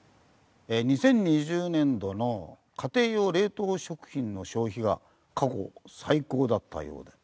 ２０２０年度の家庭用冷凍食品の消費が過去最高だったようで。